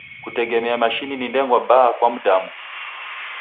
Kutegemia mashini ni ndengwa mbaha kwa mdamu.